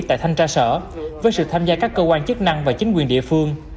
tại thanh tra sở với sự tham gia các cơ quan chức năng và chính quyền địa phương